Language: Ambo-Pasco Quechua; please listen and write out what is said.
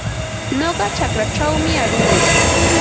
Nuqa chakraćhawmi aruu.